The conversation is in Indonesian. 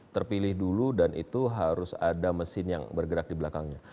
terpilih dulu dan itu harus ada mesin yang bergerak di belakangnya